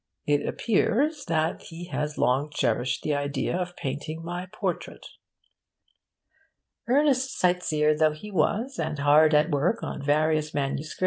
'it appears that he has long cherished the idea of painting my portrait.' Earnest sight seer though he was, and hard at work on various MSS.